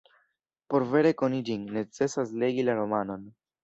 Por vere koni ĝin, necesas legi la romanon.